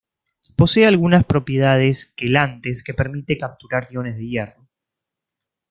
Posee algunas propiedades quelantes que permite capturar iones de hierro.